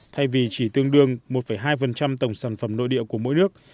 thay vì chỉ tương đương một hai tổng sản phẩm nội địa của mỗi nước